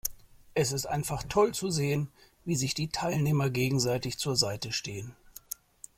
Es ist einfach toll zu sehen, wie sich die Teilnehmer gegenseitig zur Seite stehen.